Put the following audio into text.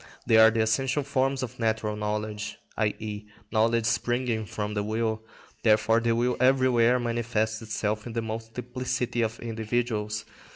They are the essential forms of natural knowledge, i.e., knowledge springing from the will. Therefore the will everywhere manifests itself in the multiplicity of individuals.